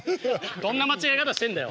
どんな間違え方してんだよ。